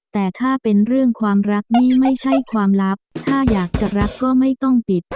แต่ถ้าเป็นเรื่องความรักนี่ไม่ใช่ความลับถ้าอยากจะรักก็ไม่ต้องปิด